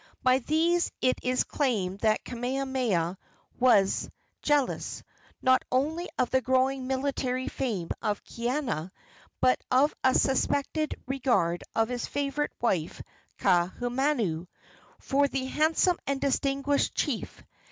By these it is claimed that Kamehameha was jealous, not only of the growing military fame of Kaiana, but of a suspected regard of his favorite wife, Kaahumanu, for the handsome and distinguished chief.